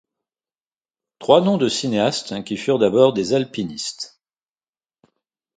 Trois noms de cinéastes qui furent d’abord des alpinistes.